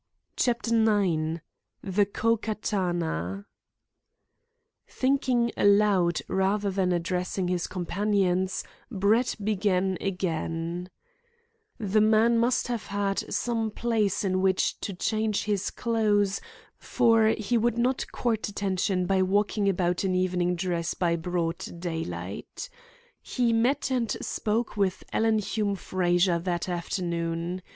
CHAPTER IX THE KO KATANA Thinking aloud, rather than addressing his companions, Brett began again: "The man must have had some place in which to change his clothes, for he would not court attention by walking about in evening dress by broad daylight He met and spoke with Alan Hume Frazer that afternoon.